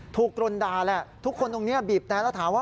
กรนด่าแหละทุกคนตรงนี้บีบแต่แล้วถามว่า